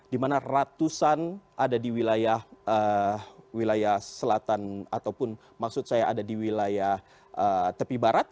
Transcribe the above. di mana ratusan ada di wilayah selatan ataupun maksud saya ada di wilayah tepi barat